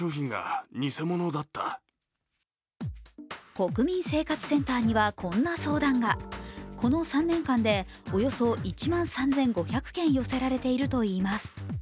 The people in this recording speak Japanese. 国民生活センターには、こんな相談がこの３年間でおよそ１万３５００件寄せられているといいます。